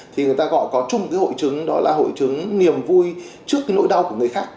thì người ta gọi có chung cái hội chứng đó là hội chứng niềm vui trước cái nỗi đau của người khác